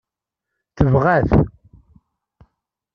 Tebɣa-t.